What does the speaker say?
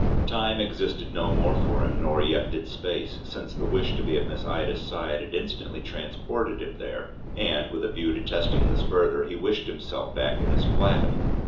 Time existed no more for him, nor yet did space, since the wish to be at Miss Ida's side had instantly transported him there, and with a view to testing this further he wished himself back in his flat.